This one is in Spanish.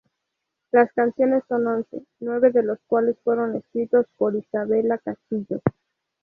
Las canciones son once, nueve de los cuales fueron escritos por Isabella Castillo.